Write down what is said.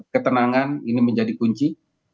ketenangan ini menjadi kunci